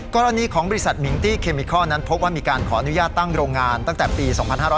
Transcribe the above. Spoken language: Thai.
กรณีของบริษัทมิงตี้เคมิคอลนั้นพบว่ามีการขออนุญาตตั้งโรงงานตั้งแต่ปี๒๕๕๙